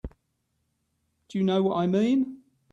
Do you know what I mean?